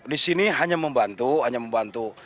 di sini hanya membantu hanya membantu